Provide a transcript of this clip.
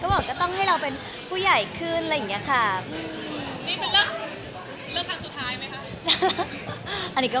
บอกก็ต้องให้เราเป็นผู้ใหญ่ขึ้นอะไรอย่างนี้ค่ะ